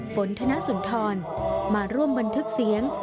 ฝนธนสุนทรมาร่วมบันทึกเสียง